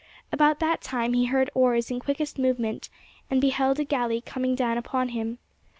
About that time he heard oars in quickest movement, and beheld a galley coming down upon him.